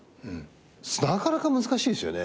なかなか難しいですよね。